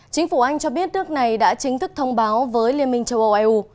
chính phủ anh cho biết nước này đã chính thức thông báo với liên minh châu âu eu